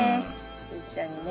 一緒にね。